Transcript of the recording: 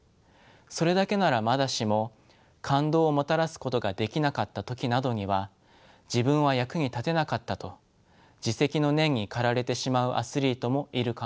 それだけならまだしも感動をもたらすことができなかった時などには「自分は役に立てなかった」と自責の念に駆られてしまうアスリートもいるかもしれません。